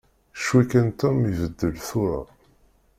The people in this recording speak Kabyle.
Ccwi kan Tom ibeddel tura.